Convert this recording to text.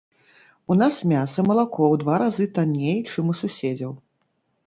У нас мяса, малако ў два разы танней, чым у суседзяў.